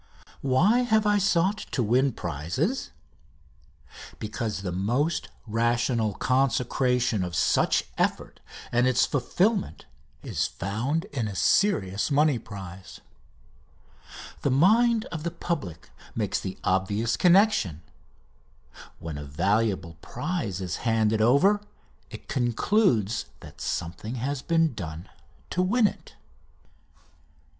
Why have I sought to win prizes? Because the most rational consecration of such effort and its fulfilment is found in a serious money prize. The mind of the public makes the obvious connection. When a valuable prize is handed over it concludes that something has been done to win it.